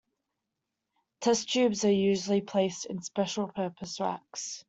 Test tubes are usually placed in special-purpose racks.